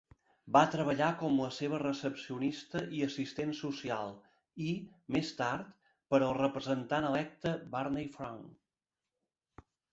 Va treballar com la seva recepcionista i assistent social i, més tard, per al representant electe Barney Frank.